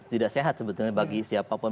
tidak sehat sebetulnya bagi siapa pun